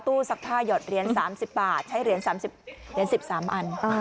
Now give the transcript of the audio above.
ตู้ซักผ้าหยอดเหรียญสามสิบบาทใช้เหรียญสามสิบเหรียญสิบสามอันอ่า